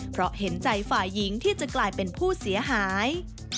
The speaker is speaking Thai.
เพราะเห็นใจฝ่ายหญิงที่จะกลายเป็นผู้เสียหาย